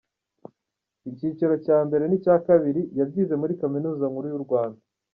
Icyiciro cya mbere n’icya kabiri, yabyize muri Kaminuza nkuru y’u Rwanda.